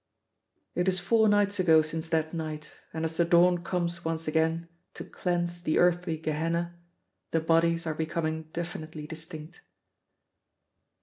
It is four nights ago since that night, and as the dawn comes once again to cleanse the earthly Gehenna, the bodies are becoming definitely distinct.